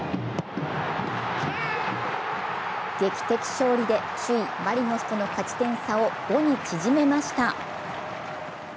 劇的勝利で首位マリノスとの勝ち点差を５に縮めました。